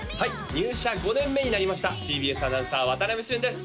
入社５年目になりましたＴＢＳアナウンサー渡部峻です